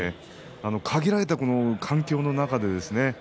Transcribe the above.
限られた環境の中でですね